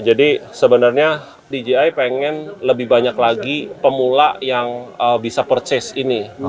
jadi sebenarnya dji pengen lebih banyak lagi pemula yang bisa purchase ini